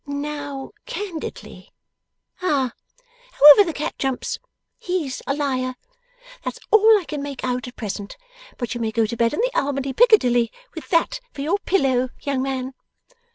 "Now, candidly?" Ah! However the cat jumps, HE'S a liar. That's all I can make out at present; but you may go to bed in the Albany, Piccadilly, with THAT for your pillow, young man!